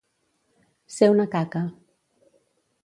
Ser una caca.